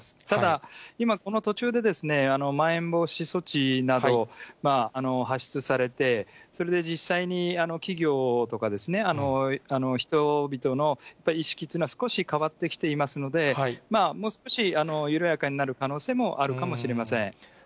ただ、今、途中で、まん延防止措置など、発出されて、それで実際に企業とか、人々の意識というのは、少し変わってきていますので、もう少し緩やかになる可能性もあるかもしれません。